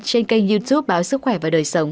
trên kênh youtube báo sức khỏe và đời sống